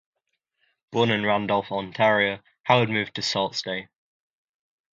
Born in Randolph, Ontario, Howard moved to Sault Ste.